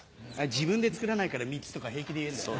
自分で作らないから３つとか平気で言えんだよな。